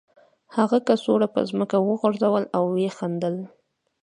هغه کڅوړه په ځمکه وغورځوله او ویې خندل